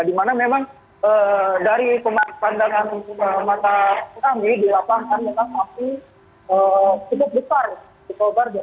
di mana memang dari pandangan mata kami di lapangan kita masih cukup besar